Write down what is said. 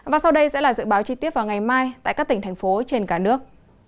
và sau đây sẽ là dự báo chi tiết vào ngày mai tại các tỉnh thành phố trên cả nước